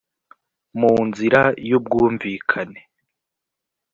mu nzira y ubwumvikane